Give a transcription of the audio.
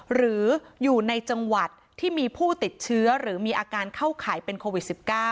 หรืออยู่ในจังหวัดที่มีผู้ติดเชื้อหรือมีอาการเข้าข่ายเป็นโควิด๑๙